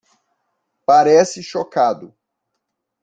Parece chocado